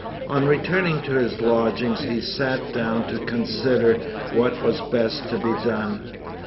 On returning to his lodgings he sat down to consider what was best to be done.